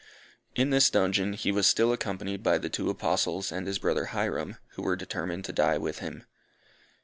In this dungeon he was still accompanied by the two Apostles and his brother Hyrum, who were determined to die with him.